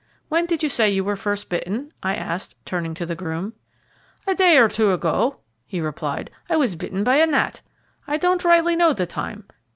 "When did you say you were first bitten?" I asked, turning to the groom. "A day or two ago," he replied. "I was bitten by a gnat, I don't rightly know the time.